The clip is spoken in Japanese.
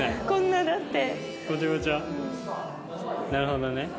なるほどね。